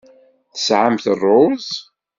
Tesɛamt ṛṛuz?